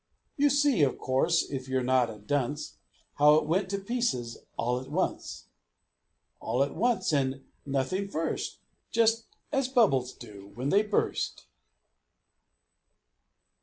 You see, of course, if you're not a dunce, How it went to pieces all at once All at once, and nothing first Just as bubbles do when they burst.